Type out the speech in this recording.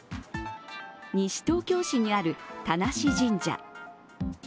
西東京市にある田無神社。